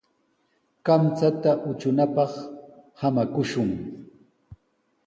Kamchata utrunapaq samakushun.